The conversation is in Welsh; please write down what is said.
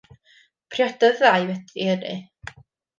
Priododd y ddau wedi hynny.